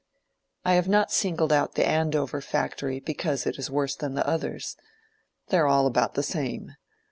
I have not singled out the Andover factory because it is worse than the others. They are all about the same.